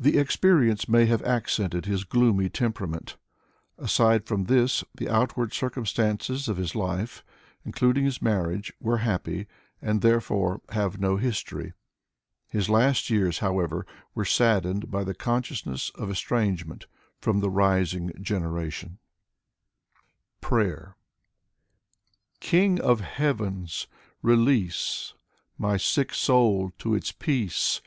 The experience may have accented his gloomy temperament. Aside from this, the outward circumstances of his life, including his marriage, were happy, and therefore have no history. His last years, however, were saddened by the consciousness of estrangement from the rising generation* 13 14 Yevgeny Baratynsky PRAYER King of Heavens! Release My sick soul to its peace!